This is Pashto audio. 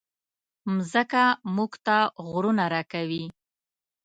مځکه موږ ته غرونه راکوي.